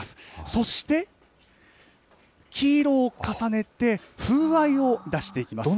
そして、黄色を重ねて風合いを出していきます。